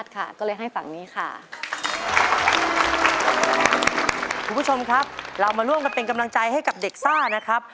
คุณผู้ชมครับเรามาร่วมกันเป็นกำลังใจให้กับเด็กซ่านะครับ